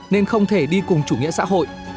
nên không thể đi cùng chủ nghĩa xã hội